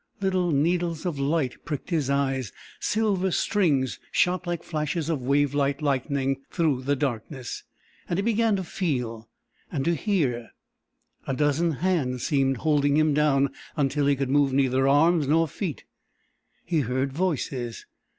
Little needles of light pricked his eyes; silver strings shot like flashes of wave like lightning through the darkness, and he began to feel, and to hear. A dozen hands seemed holding him down until he could move neither arms nor feet. He heard voices.